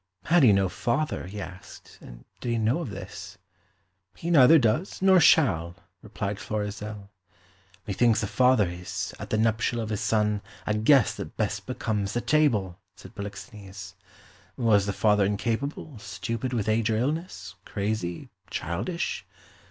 Had he no father, he asked, and did he know of this? "He neither does nor shall," replied Florizel. "Methinks a father is, at the nuptial of his son, a guest that best becomes the table," said Polixenes. Was the father incapable, stupid with age or illness, crazy, childish?